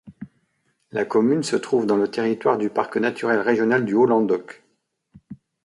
La commune se trouve dans le territoire du parc naturel régional du Haut-Languedoc.